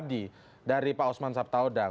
dari pak osman sabtaudang